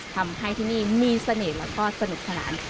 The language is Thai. ทำให้ที่นี่มีเสน่ห์แล้วก็สนุกสนาน